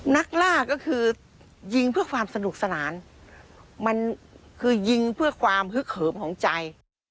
นักล่าก็คือยิงเพื่อความสนุกสนานมันคือยิงเพื่อความฮึกเหิมของใจ